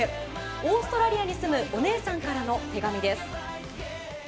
オーストラリアに住むお姉さんからの手紙です。